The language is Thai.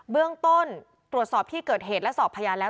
เบื้องต้นตรวจสอบที่เกิดเหตุและสอบพยานแล้ว